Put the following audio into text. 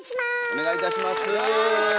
お願いいたします。